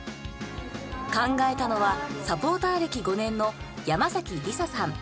考えたのはサポーター歴５年の山崎莉沙さん。